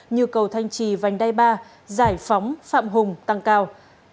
như cầu thanh trì vành đai ba giải phóng phạm hùng tăng cao